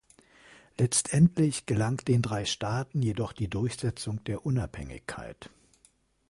Letztendlich gelang den drei Staaten jedoch die Durchsetzung der Unabhängigkeit.